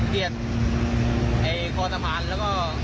เบียดคอสะพานแล้วก็